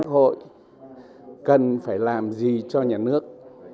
hội cần phải làm gì cho nhà nước